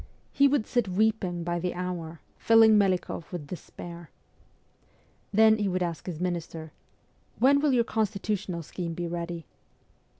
He would sit weeping by the hour, filling Melikoff with despair. Then he would ask his minister, ' When will your constitutional scheme be ready